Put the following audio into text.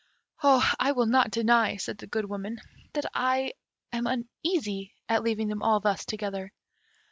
"I will not deny," said the Good Woman, "that I am uneasy at leaving them all thus together.